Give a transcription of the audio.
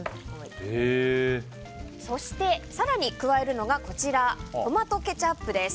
そして更に加えるのがトマトケチャップです。